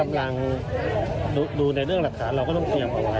กำลังดูในเรื่องหลักฐานเราก็ต้องเตรียมเอาไว้